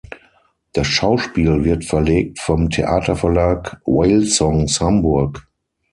Das Schauspiel wird verlegt vom Theaterverlag Whale Songs, Hamburg.